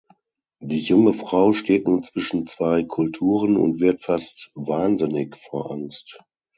Die junge Frau steht nun zwischen zwei Kulturen und wird fast wahnsinnig vor Angst.